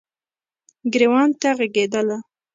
ګریوان ته ږغیدله